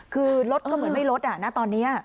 คือรถก็เหมือนไม่ลดนะตอนนี้